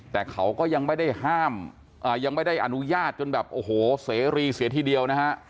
แต่เขาก็ยังไม่ได้ห้ามยังไม่ได้อนุญาตจนแบบโอ้โหเสรีเสียทีเดียวนะฮะ